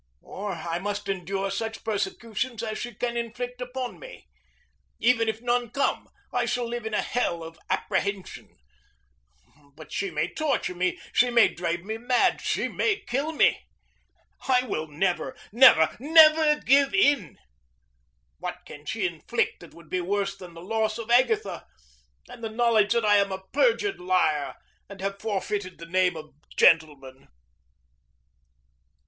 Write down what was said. Or I must endure such persecutions as she can inflict upon me. Even if none come, I shall live in a hell of apprehension. But she may torture me, she may drive me mad, she may kill me: I will never, never, never give in. What can she inflict which would be worse than the loss of Agatha, and the knowledge that I am a perjured liar, and have forfeited the name of gentleman?